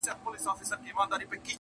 • نه په پښو کي یې لرل کاږه نوکونه -